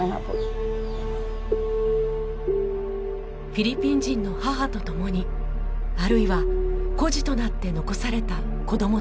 フィリピン人の母と共にあるいは孤児となって残された子どもたち。